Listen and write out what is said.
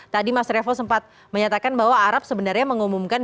tadi mas revo sempat menyatakan bahwa arab sebenarnya mengumumkan